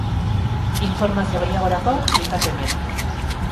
Informazio gehiagorako klikatu hemen.